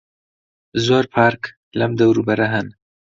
زۆر پارک لەم دەوروبەرە هەن.